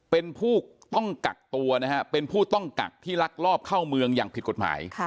เป็นผู้ต้องกักตัวนะฮะเป็นผู้ต้องกักที่ลักลอบเข้าเมืองอย่างผิดกฎหมาย